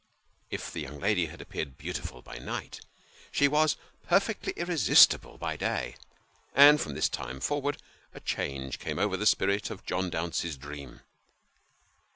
If the young lady had appeared beautiful by night, she was perfectly irresistible by day; and, from this time forward, a change came over the spirit of John Dounce's dream.